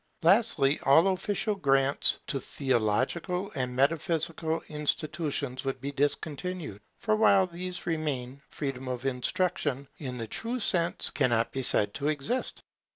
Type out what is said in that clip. Lastly, all official grants to theological and metaphysical institutions would be discontinued; for while these remain, freedom of instruction in the true sense cannot be said to exist.